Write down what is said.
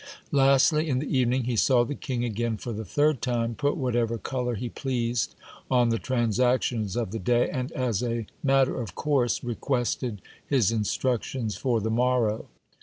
Lastly, in the evening he saw the king again for the third time, put whatever colour he pleased on the transactions of the day, and, as a matter of course, requested his instructions for the morrow.